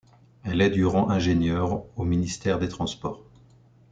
Elle est durant ingénieure au ministère des transports.